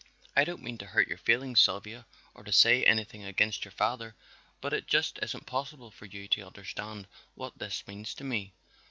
"I don't mean to hurt your feelings, Sylvia, or to say anything against your father, but it just isn't possible for you to understand what this means to me."